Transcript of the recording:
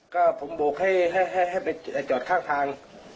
ก็ผมโบกให้ไปจอดข้างทาง